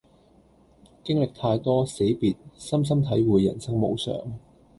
經歷太多死別深深體會人生無常